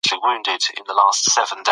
انټرنیټ د هر چا لپاره یو چانس دی.